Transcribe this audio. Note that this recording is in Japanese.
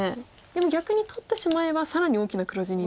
でも逆に取ってしまえば更に大きな黒地に。